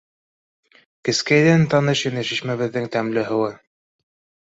Кескәйҙән таныш ине шишмәбеҙҙең тәмле һыуы.